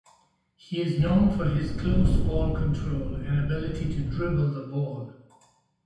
He is known for his close ball control and ability to dribble the ball.